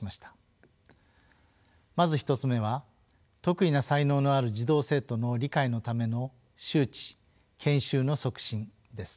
まず１つ目は特異な才能のある児童生徒の理解のための周知・研修の促進です。